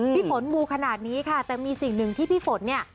พี่ฝนมูขนาดนี้ค่ะแต่มีสิ่งหนึ่งที่พี่ฝนเนี่ย